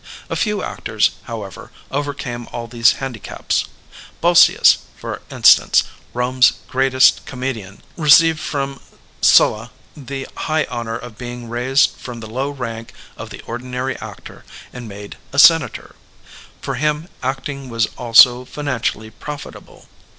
A few actors, however, overcame all these handicaps. Boscius, for instance, Bome's greatest comedian, re ceived from Sulla the high honor of being raised from the low rank of the ordinary actor and made a senator. For him acting was also financially profit able.